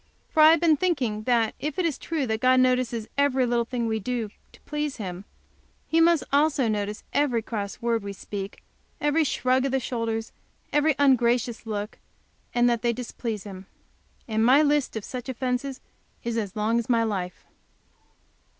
For I have been thinking that, if it is true that God notices every little thing we do to please Him, He must also notice every cross word we speak, every shrug of the shoulders, every ungracious look, and that they displease Him. And my list of such offences is as long as my life.